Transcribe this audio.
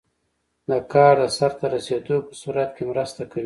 د کار د سرته رسیدو په سرعت کې مرسته کوي.